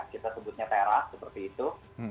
kita sebutnya teras seperti itu